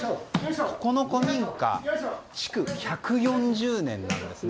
この古民家は築１４０年なんですね。